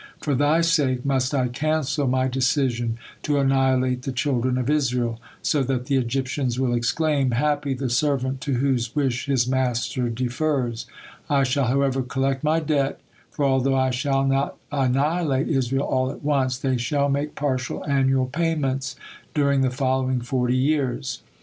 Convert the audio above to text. For thy sake must I cancel My decision to annihilate the children of Israel, so that the Egyptians will exclaim, 'Happy the servant to whose wish his master defers.' I shall, however, collect My debt, for although I shall not annihilate Israel all at once, they shall make partial annual payments during the following forty years.